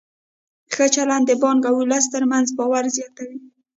ښه چلند د بانک او ولس ترمنځ باور زیاتوي.